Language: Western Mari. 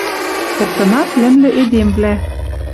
Коктынат лӹмлӹ эдемвлӓ